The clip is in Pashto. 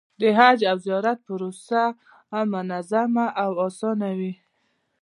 د حج او زیارت پروسه منظمه او اسانه وي.